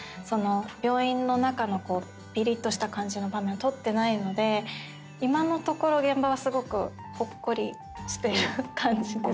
病院の中のぴりっとした感じの場面を撮ってないので今のところ現場はすごくほっこりしてる感じです。